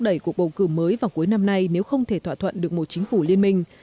đẩy cuộc bầu cử mới vào cuối năm nay nếu không thể thỏa thuận được một chính phủ liên minh